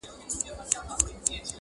ستا له مالته رخصتېږمه بیا نه راځمه!!